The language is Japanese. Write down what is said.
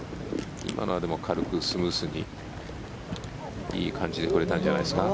軽くスムーズにいい感じで来れたんじゃないですか。